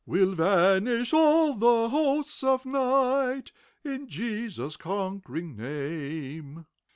We'll van quish all the hosts of night. In Je sus' conquering name.